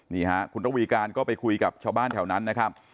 นี่ฮะคุณระวีการก็ไปคุยกับชาวบ้านแถวนั้นนะครับ